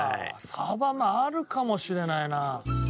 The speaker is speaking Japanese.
サバもあるかもしれないな。